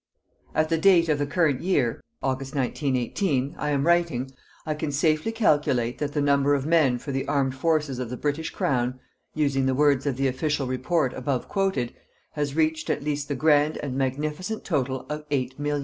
At the date of the current year August, 1918 I am writing, I can safely calculate that the number of men for the Armed Forces of the British Crown using the words of the Official Report above quoted has reached, at least, the grand and magnificent total of 8,000,000.